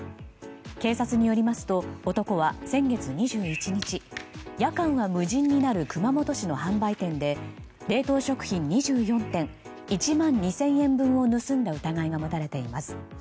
警察によりますと男は先月２１日夜間は無人になる熊本市の販売店で冷凍食品２４点１万２０００円分を盗んだ疑いが持たれています。